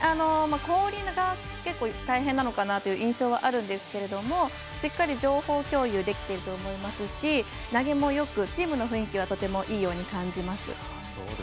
氷が結構大変なのかなという印象はあるんですけどしっかり情報共有できていると思いますし投げもよく、チームの雰囲気はとてもいいように感じます。